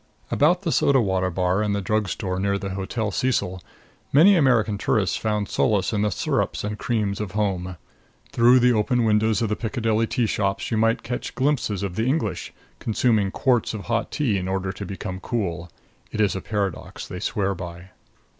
About the soda water bar in the drug store near the Hotel Cecil many American tourists found solace in the sirups and creams of home. Through the open windows of the Piccadilly tea shops you might catch glimpses of the English consuming quarts of hot tea in order to become cool. It is a paradox they swear by.